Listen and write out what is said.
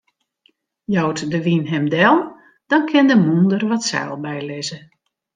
Jout de wyn him del, dan kin de mûnder wat seil bylizze.